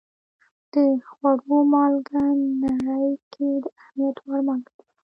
د خوړو مالګه نړۍ کې د اهمیت وړ مالګه ده.